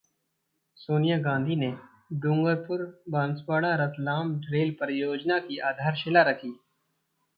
सोनिया गांधी ने डूंगरपुर-बांसवाडा-रतलाम रेल परियोजना की आधारशिला रखी